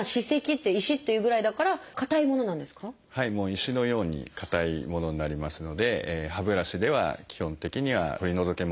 石のように硬いものになりますので歯ブラシでは基本的には取り除けません。